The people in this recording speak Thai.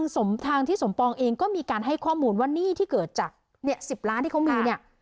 ทางที่สมปองเองก็มีการให้ข้อมูลว่าหนี้ที่เกิดจาก๑๐ล้านที่เขามีเนี่ย